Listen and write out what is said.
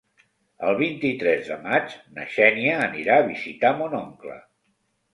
El vint-i-tres de maig na Xènia anirà a visitar mon oncle.